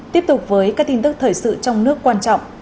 tiếp tục với các tin tức thời sự trong nước quan trọng